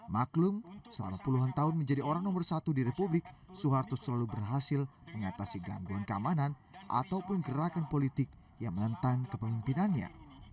maklum selama puluhan tahun menjadi orang nomor satu di republik soeharto selalu berhasil mengatasi gangguan keamanan ataupun gerakan politik yang menantang kepemimpinannya